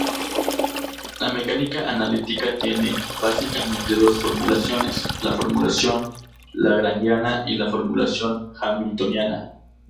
La mecánica analítica tiene, básicamente dos formulaciones: la formulación lagrangiana y la formulación hamiltoniana.